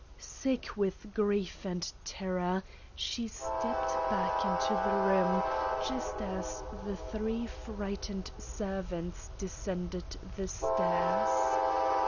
Sick with grief and terror, she stepped back into the room just as the three frightened servants descended the stairs.